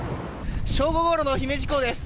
正午ごろの姫路港です。